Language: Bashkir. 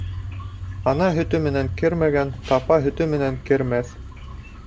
Ана һөтө менән кермәгән тапа һөтө менән кермәҫ.